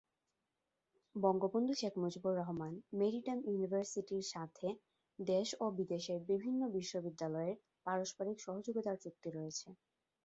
Bangabandhu Sheikh Mujibur Rahman maritime ইউনিভার্সিটির সাথে দেশ ও বিদেশের বিভিন্ন বিশ্ববিদ্যালয়ের পারস্পরিক সহযোগিতার চুক্তি রয়েছে।